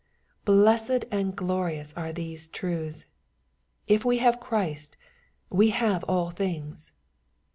Blessed and glorious are these truths ! If we have Christ, we have all things.